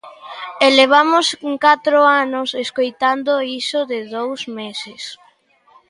E levamos catro anos escoitando iso de "dous meses".